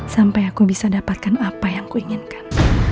sampai aku bisa dapatkan apa yang kuinginkan